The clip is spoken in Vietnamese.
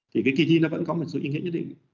thì cái kỳ thi nó vẫn có một số ý nghĩa nhất định